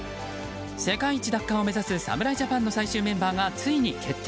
世界一奪還を目指す侍ジャパンの最終メンバーがついに決定！